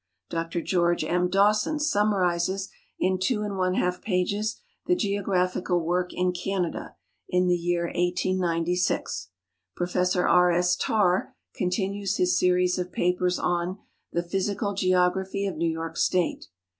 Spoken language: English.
Dr George M. Dawson summarizes, in two and one half pages, the "Geographical Work in Canada" in the year 1896. Professor R. S. Tarr continues his series of papers on "The Physical Geography of New York State."